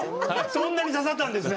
そんなに刺さったんですね。